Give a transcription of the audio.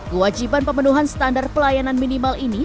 kewajiban pemenuhan standar pelayanan minimal ini